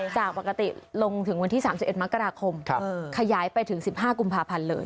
จากปกติลงถึงวันที่๓๑มกราคมขยายไปถึง๑๕กุมภาพันธ์เลย